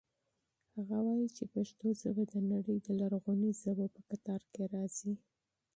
هغه وایي چې پښتو ژبه د نړۍ د لرغونو ژبو په کتار کې راځي.